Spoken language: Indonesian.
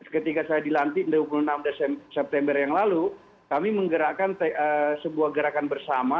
ketika saya dilantik dua puluh enam desember yang lalu kami menggerakkan sebuah gerakan bersama